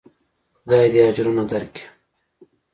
خداى دې اجرونه دركي.